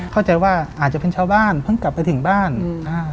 เข้าใจว่าอาจจะเป็นชาวบ้านเพิ่งกลับไปถึงบ้านอ่า